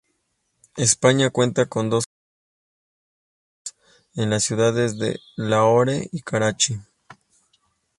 España cuenta con dos consulados honorarios en las ciudades de Lahore y Karachi.